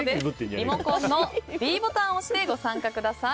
リモコンのｄボタンを押してご参加ください。